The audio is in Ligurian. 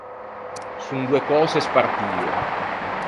Son doe cöse spartie.